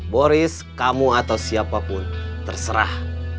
boris kamu atau siapapun terserah